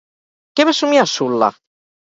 Què va somiar Sul·la?